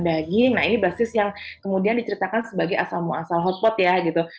nah ini basis yang kemudian diceritakan sebagai asal muasal hotpot ya gitu